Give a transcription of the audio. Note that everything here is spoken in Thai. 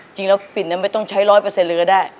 จริงแล้วปิ่นน่ะไม่ต้องใช้ร้อยเปอร์เซ็นต์เลยก็ได้